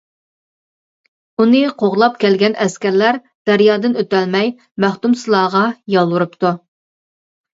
ئۇنى قوغلاپ كەلگەن ئەسكەرلەر دەريادىن ئۆتەلمەي مەختۇمسۇلاغا يالۋۇرۇپتۇ.